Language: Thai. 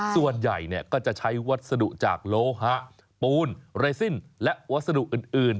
ส่วนใหญ่ก็จะใช้วัสดุจากโลหะปูนเรซินและวัสดุอื่น